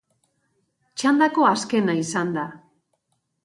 Txandako azkena izan da.